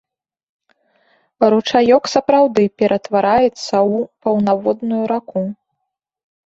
Ручаёк сапраўды ператвараецца ў паўнаводную раку.